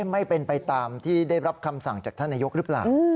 ไม่เป็นไปตามที่ได้รับคำสั่งจากท่านนายกหรือเปล่า